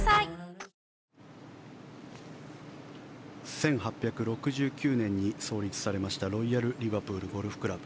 １８６９年に創立されましたロイヤル・リバプールゴルフクラブ。